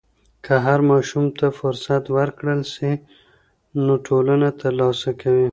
که هر ماشوم ته فرصت ورکړل سي، نو ټولنه ترلاسه کوي.